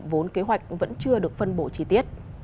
vốn kế hoạch vẫn chưa được phân bổ chi tiết